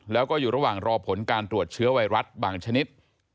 แล้วก็อยู่ระหว่างรอผลการตรวจเชื้อไวรัสบางชนิด